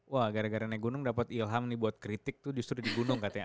wah gara gara naik gunung dapat ilham nih buat kritik tuh justru di gunung katanya